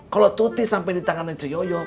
kalau tuti sampai di tangannya ce yoyo